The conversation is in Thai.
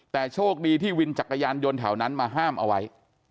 แต่โชคดีที่วินจักรยานยนต์แถวนั้นมาห้ามเอาไว้